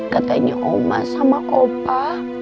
katanya oma sama opa